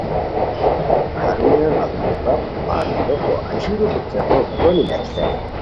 ہرونیہ غیڑوچی بپ بردوخو اژیرو څیقو گونی لاکھیتائے